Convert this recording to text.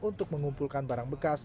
untuk mengumpulkan barang bekas